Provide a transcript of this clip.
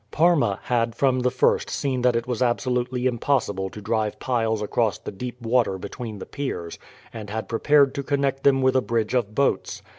Parma had from the first seen that it was absolutely impossible to drive piles across the deep water between the piers, and had prepared to connect them with a bridge of boats.